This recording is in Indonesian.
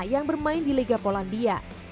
yang bermain di liga polandia